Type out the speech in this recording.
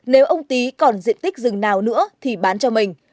nếu ông tý còn diện tích rừng nào nữa thì bán cho mình